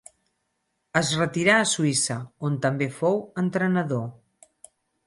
Es retirà a Suïssa, on també fou entrenador.